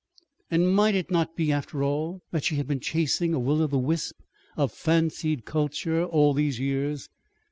And might it not be, after all, that she had been chasing a will o' the wisp of fancied "culture" all these years?